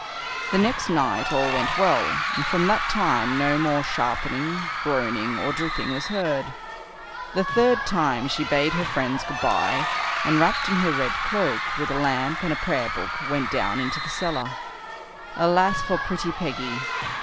The next night all went well, and from that time no more sharpening, groaning, or dripping was heard. The third time she bade her friends good bye and, wrapped in her red cloak, with a lamp and prayer book, went down into the cellar. Alas for pretty Peggy!